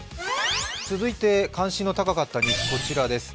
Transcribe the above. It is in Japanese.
続いて関心が高かったニュースこちらです。